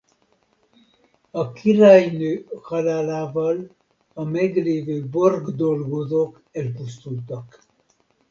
A királynő halálával a meglévő Borg-dolgozók elpusztultak.